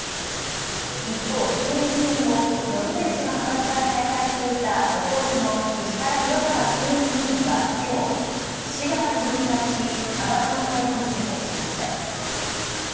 一方、衆院選後伸晃氏の派閥から退会していた弟の石原宏高衆院議員は今日岸田派に入会し派閥の会合に出席しました。